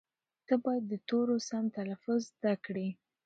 ته باید د تورو سم تلفظ زده کړې.